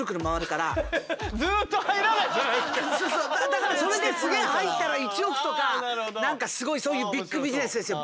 だからそれですげえ入ったら１億とか何かすごいそういうビッグビジネスですよ。